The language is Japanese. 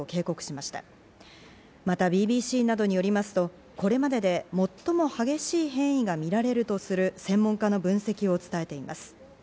またＢＢＣなどによりますと、これまでで最も激しい変異がみられるとする専門家の分析を伝えています。